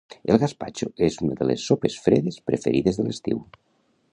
El gaspatxo és una de les sopes fredes preferides de l'estiu